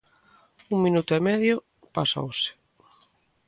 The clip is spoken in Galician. Un minuto e medio pasouse.